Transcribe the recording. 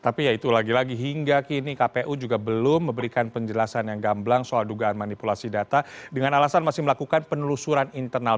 tapi ya itu lagi lagi hingga kini kpu juga belum memberikan penjelasan yang gamblang soal dugaan manipulasi data dengan alasan masih melakukan penelusuran internal